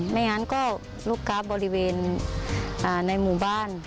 ไม่งั้นก็ลูกค้าบริเวณในหมู่บ้าน